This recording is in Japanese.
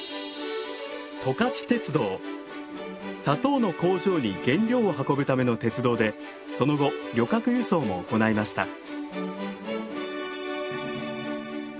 砂糖の工場に原料を運ぶための鉄道でその後旅客輸送も行いました。